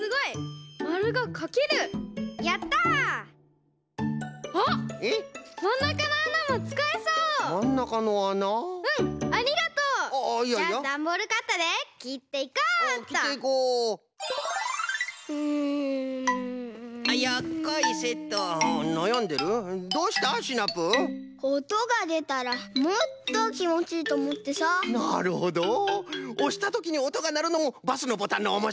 おしたときにおとがなるのもバスのボタンのおもしろいとこじゃもんな。